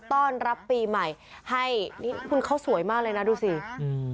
ต้อนรับปีใหม่ให้นี่คุณเขาสวยมากเลยนะดูสิอืม